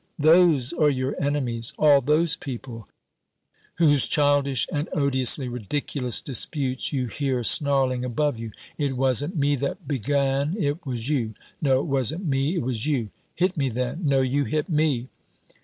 Those are your enemies. All those people whose childish and odiously ridiculous disputes you hear snarling above you "It wasn't me that began, it was you!" "No, it wasn't me, it was you!" "Hit me then!" "No, you hit me!"